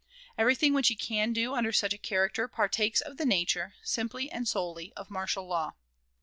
Everything which he can do under such a character partakes of the nature, simply and solely, of martial law.